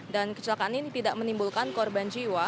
dan kecelakaan ini tidak menimbulkan korban jiwa